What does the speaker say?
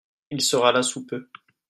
Il sera là sous peu.